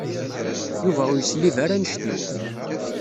Yuba ur yeslib ara anect-iw.